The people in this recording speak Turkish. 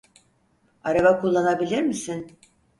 Araba kullanabilir misin?